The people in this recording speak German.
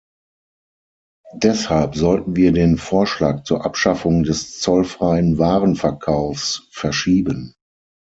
Deshalb sollten wir den Vorschlag zur Abschaffung des zollfreien Warenverkaufs verschieben.